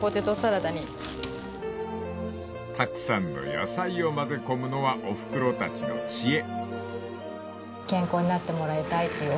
［たくさんの野菜を混ぜ込むのはおふくろたちの知恵］